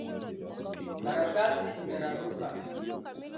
Karatasi imeraruka.